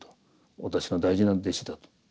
私の大事な弟子だ」と。